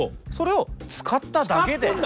それを使っただけで。